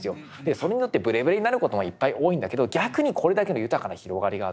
それによってブレブレになる事も多いんだけど逆にこれだけの豊かな広がりがあって。